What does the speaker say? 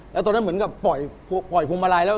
แล้วตอนนั้นเหมือนกับปล่อยพวงมาลัยแล้ว